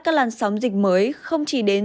các làn sóng dịch mới không chỉ đến